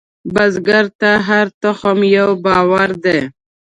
بزګر ته هره تخم یو باور دی